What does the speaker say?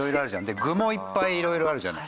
で具もいっぱい色々あるじゃない。